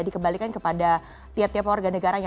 dikembalikan kepada tiap tiap warga negaranya